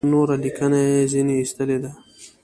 نوره لیکنه یې ځنې ایستلې ده.